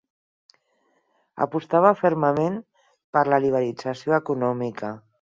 Apostava fermament per la liberalització econòmica.